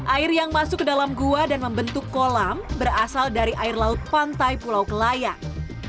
air yang masuk ke dalam gua dan membentuk kolam berasal dari air laut pantai pulau kelayang